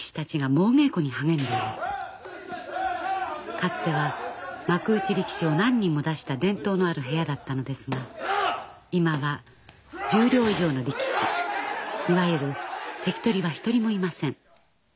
かつては幕内力士を何人も出した伝統のある部屋だったのですが今は十両以上の力士いわゆる関取は一人もいません。